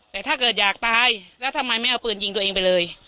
แต่ถ้าเกิดอยากตายแล้วทำไมไม่เอาปืนยิงตัวเองไปเลย